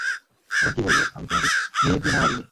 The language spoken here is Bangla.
এখন কী বলব, আমি তোমাকে নিয়ে কী-না ভাবিনি?